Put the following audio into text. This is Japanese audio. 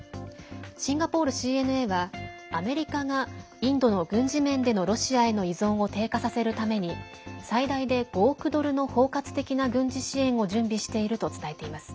シンガポールＣＮＡはアメリカがインドの軍事面でのロシアへの依存を低下させるために最大で５億ドルの包括的な軍事支援を準備していると伝えています。